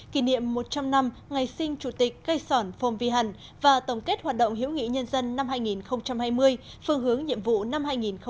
kỷ niệm một trăm linh năm ngày sinh chủ tịch cây sỏn phong vi hẳn và tổng kết hoạt động hiểu nghị nhân dân năm hai nghìn hai mươi phương hướng nhiệm vụ năm hai nghìn hai mươi một